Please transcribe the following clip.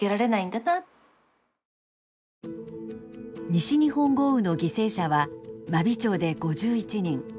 西日本豪雨の犠牲者は真備町で５１人。